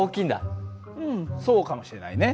うんそうかもしれないね。